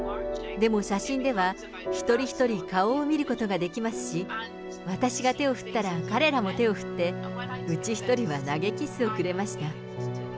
でも写真では、一人一人、顔を見ることができますし、私が手を振ったら、彼らも手を振って、うち１人は投げキスをくれました。